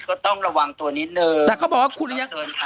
ก็ต้องระวังตัวนิดนึง